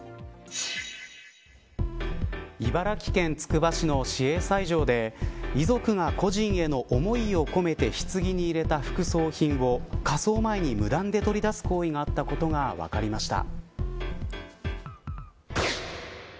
茨城県つくば市の市営斎場で遺族が故人への思いを込めて棺に入れた副葬品を火葬前に無断で取り出す行為があったことが分かりました。